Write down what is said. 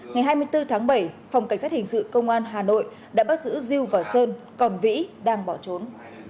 ngày hai mươi bốn tháng bảy phòng cảnh sát hình sự công an hà nội đã bắt giữ diêu và sơn còn vĩ đang bỏ trốn